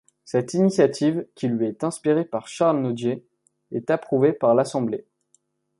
Cette initiative, qui lui est inspirée par Charles Nodier, est approuvée par l'Assemblée.